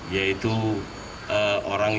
yaitu orang yang